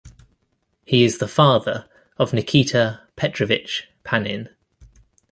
He is the father of Nikita Petrovich Panin.